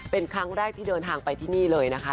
เป็นครั้งแรกที่เดินทางไปที่นี่เลยนะคะ